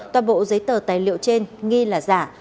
toàn bộ giấy tờ tài liệu trên nghi là giả